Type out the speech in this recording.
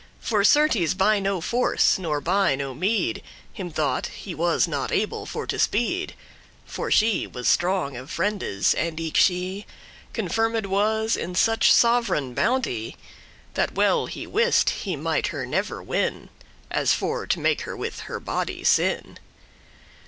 For certes, by no force, nor by no meed,* *bribe, reward Him thought he was not able for to speed; For she was strong of friendes, and eke she Confirmed was in such sov'reign bounte, That well he wist he might her never win, As for to make her with her body sin.